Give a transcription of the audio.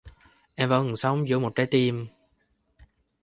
Em vẫn còn sống giữa một trái tim.